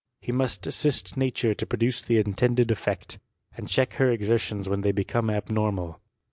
Ho must assist nature to produce the intended effect, and check her exertions when they become abnormal.